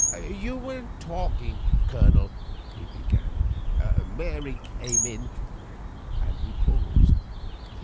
"You were talking, Colonel," he began, "when Mary came in," and he paused.